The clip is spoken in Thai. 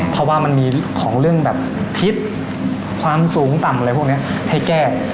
เพราะว่ามันมีของเรื่องแบบทิศความสูงต่ำอะไรพวกนี้ให้แก้